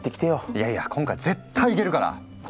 いやいや今回は絶対いけるから！